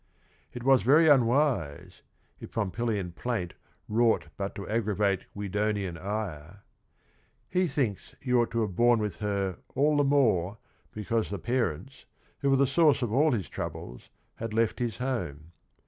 It was very unwise, "if Pompilian plaint wrought but to aggravate Guidonian ire." He thinks he ought to have borne with her all the more be cause the parents, who were the source of all his troubles, had left his home.